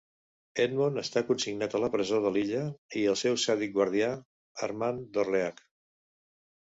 Edmond està consignat a la presó de l'illa i el seu sàdic guardià, Armand Dorleac.